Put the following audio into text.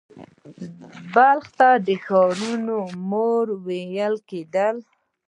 بلخ ته د ښارونو مور ویل کیده